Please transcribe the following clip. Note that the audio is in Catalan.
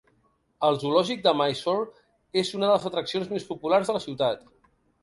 El zoològic de Mysore és una de les atraccions més populars de la ciutat.